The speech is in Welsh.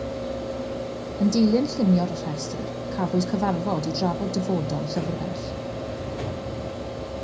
Yn dilyn llunio'r rhestr, cafwyd cyfarfod i drafod dyfodol y llyfrgell.